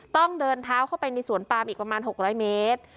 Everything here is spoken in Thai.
ต้องเดินเท้าเข้าไปในสวนปามอีกประมาณ๖๐๐เมตร